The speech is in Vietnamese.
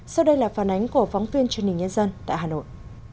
sau đây là phản ánh của phóng viên truyền hình nhân dân tại hà nội